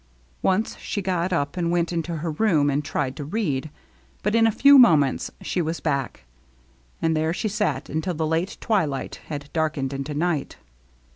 Once she got up and went into her room and tried to read ; but in a few moments she was back. And there she sat until the late twilight had darkened into night.